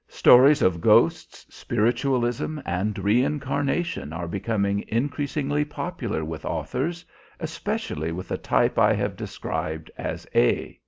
Stories of ghosts, spiritualism and reincarnation are becoming increasingly popular with authors, especially with the type I have described as A.